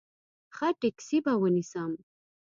ښه ټیکسي به ونیسم.